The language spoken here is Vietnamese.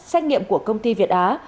xét nghiệm của công ty việt á